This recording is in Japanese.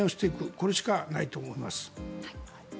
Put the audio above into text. これしかないと思います。